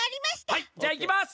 はいじゃいきます！